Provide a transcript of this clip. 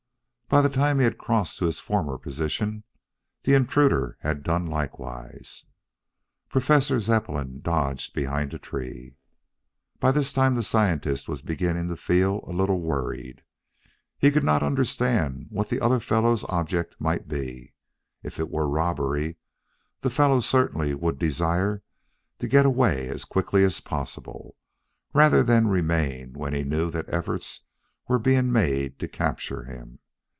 By the time he had crossed to his former position, the intruder had done likewise. Professor Zepplin dodged behind a tree. By this time the scientist was beginning to feel a little worried. He could not understand what the other fellow's object might be. If it were robbery, the fellow certainly would desire to get away as quickly as possible, rather than remain when he knew that efforts were being made to capture him.